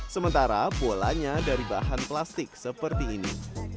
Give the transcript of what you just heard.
sementara bolanya dari bahan plastik seperti ini